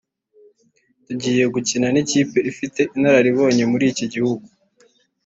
“Tugiye gukina n’ikipe ifite inararibonye muri iki gihugu